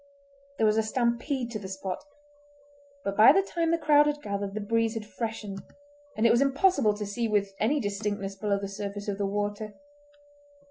There was a stampede to the spot, but by the time the crowd had gathered the breeze had freshened, and it was impossible to see with any distinctness below the surface of the water.